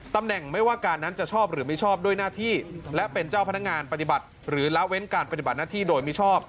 ตำแหน่งไม่ว่าการนั้นจะชอบหรือไม่ชอบด้วยหน้าที่และเป็นเจ้าพนักงานปฏิบัติหรือละเว้นการปฏิบัติหน้าที่โดยมิชอบ